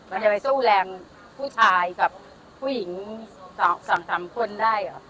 มันจะไปสู้แรงผู้ถ่ายกับผู้หญิงส่องสามคนได้อะ